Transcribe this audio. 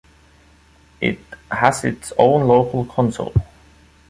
It has its own local council.